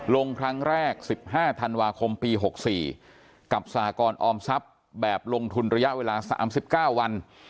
ลงครั้งแรก๑๕ธันวาคมปี๖๔กับสหกรออมทรัพย์แบบลงทุนระยะเวลา๓๙วัน